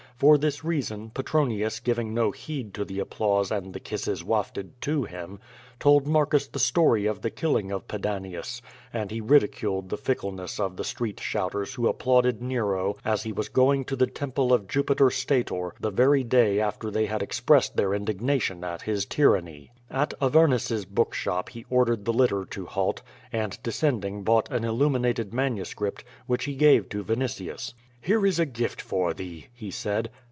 For this reason, Petronius giving no heed to the applause and the kisses wafted to him, told Marcus the story of the killing of Pedanius, and he ridiculed the fickleness of the street shouters who applauded Nero as he was going to the temple of Jupiter Stator the very day after they had expressed their indignation at his \ 22 QUO VADI8, tyranny. At Avenius's book shop he ordered the litter to halt, and descending bought an illuminated manuscript, which he gave to Vinitius. "Here is a gift for thee," he said.